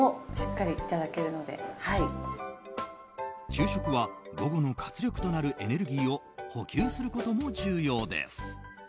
昼食は午後の活力となるエネルギーを補給することも重要です。